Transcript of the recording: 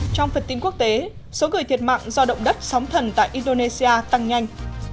trong phần tin quốc tế số người thiệt mạng do động đất sóng thần tại indonesia tăng nhanh